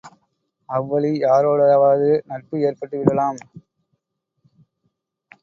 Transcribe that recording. அவ்வழி யாரோடாவது நட்பு ஏற்பட்டு விடலாம்!